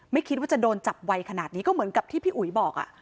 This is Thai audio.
ไม่คิดว่าจะโดนจับไวขนาดนี้ก็เหมือนกับที่พี่อุ๋ยบอก